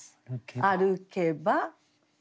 「歩けば」。